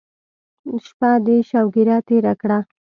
شپه دې شوګیره تېره کړه.